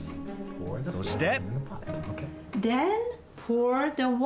そして？